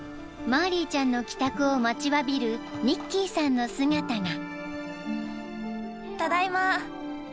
［マーリーちゃんの帰宅を待ちわびるニッキーさんの姿が］